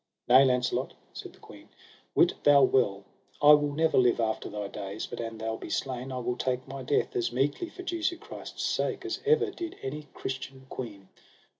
Nay, Launcelot, said the queen, wit thou well I will never live after thy days, but an thou be slain I will take my death as meekly for Jesu Christ's sake as ever did any Christian queen.